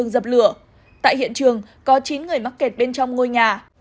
dập lửa tại hiện trường có chín người mắc kẹt bên trong ngôi nhà